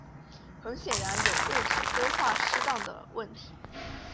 很显然有位置规划失当的问题。